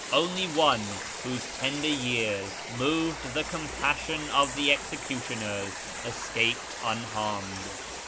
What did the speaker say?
Only one, whose tender years moved the compassion of the executioners, escaped unharmed.